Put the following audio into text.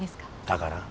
だから？